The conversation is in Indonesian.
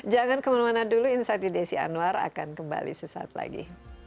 jangan kemana mana dulu insight with desi anwar akan kembali sesaat lagi